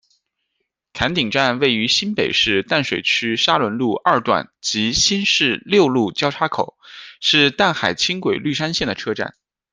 崁顶站位于新北市淡水区沙仑路二段及新市六路交叉口，是淡海轻轨绿山线的车站。